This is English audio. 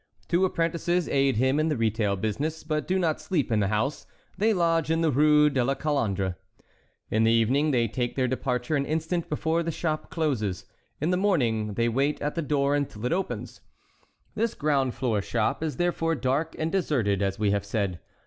Two apprentices aid him in the retail business, but do not sleep in the house; they lodge in the Rue de la Colandre. In the evening they take their departure an instant before the shop closes; in the morning they wait at the door until it opens. This ground floor shop is therefore dark and deserted, as we have said.